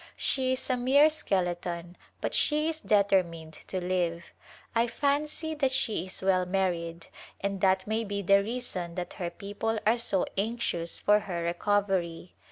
She is a mere skeleton but she is determined to live. I fancy that she is well married and that may be the reason that her people are so anxious for her recovery.